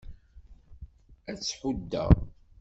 Ad t-huddeɣ.